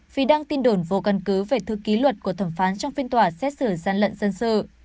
vì đang tin đồn vô căn cứ về thư ký luật của thẩm phán trong phiên tòa xét xử gian lận dân sự